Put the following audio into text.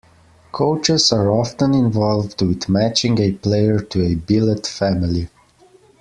Coaches are often involved with matching a player to a billet family.